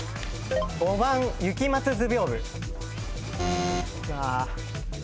５番雪松図屏風。